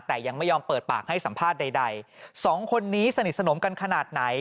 แต่ยังไม่ยอมเปิดปากให้สัมภาษณ์ใดสองคนนี้สนิทสนมกันขนาดไหน